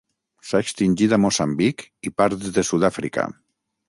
S'ha extingit a Moçambic i parts de Sud-àfrica.